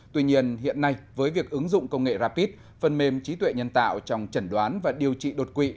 tuy nhiên hiện nay với việc ứng dụng công nghệ rapid phần mềm trí tuệ nhân tạo trong chẩn đoán và điều trị đột quỵ